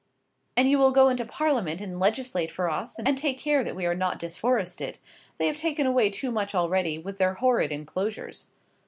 "And you will go into Parliament and legislate for us, and take care that we are not disforested. They have taken away too much already, with their horrid enclosures."